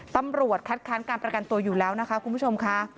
ตำรวจคัดค้านการประกันตัวอยู่แล้วนะคะคุณผู้ชมค่ะ